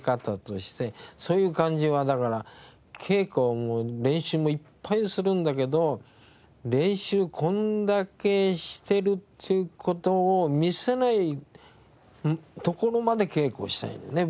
そういう感じはだから稽古はもう練習もいっぱいするんだけど練習こんだけしてるっていう事を見せないところまで稽古をしたいのね